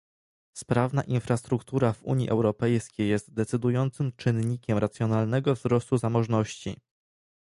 Sprawna infrastruktura w Unii Europejskiej jest decydującym czynnikiem racjonalnego wzrostu zamożności